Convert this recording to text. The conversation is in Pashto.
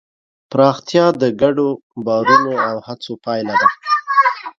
پراختیا د ګډو باورونو او هڅو پایله ده.